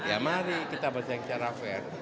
ya mari kita baca secara fair